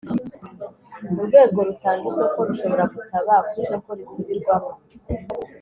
urwego rutanga isoko rushobora gusaba ko isoko risubirwamo